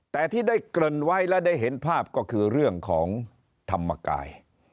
แต่ที่ได้เกริ่นไว้และได้เห็นภาพก็คือเรื่องของธรรมกาย